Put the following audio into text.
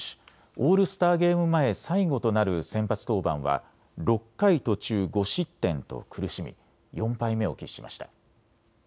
オールスターゲーム前、最後となる先発登板は６回途中５失点と苦しみ４敗目を喫しました。